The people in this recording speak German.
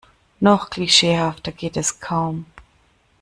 Noch klischeehafter geht es kaum.